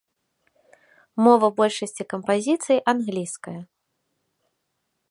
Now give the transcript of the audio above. Мова большасці кампазіцый англійская.